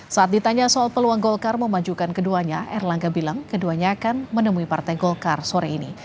saat ditanya soal peluang golkar memajukan keduanya erlangga bilang keduanya akan menemui partai golkar sore ini